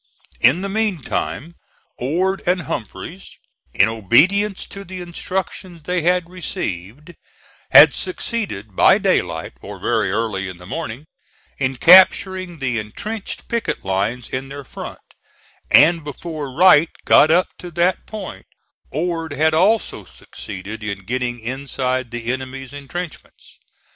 In the meantime Ord and Humphreys, in obedience to the instructions they had received, had succeeded by daylight, or very early in the morning, in capturing the intrenched picket lines in their front; and before Wright got up to that point, Ord had also succeeded in getting inside of the enemy's intrenchments.